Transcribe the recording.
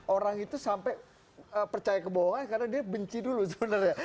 orang itu sampai percaya kebohongan karena dia benci dulu sebenarnya